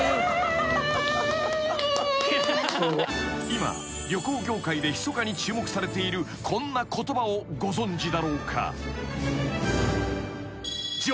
［今旅行業界でひそかに注目されているこんな言葉をご存じだろうか？］